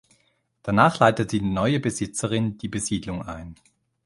Danach leitete die neue Besitzerin die Besiedlung ein.